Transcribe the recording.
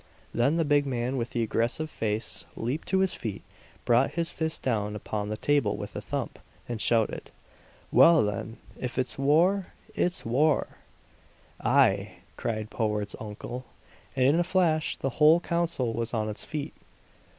Then the big man with the aggressive face leaped to his feet, brought his fist down upon the table with a thump, and shouted: "Well, then, if it's war, it's war!" "Aye!" cried Powart's uncle; and in a flash the whole council was on its feet.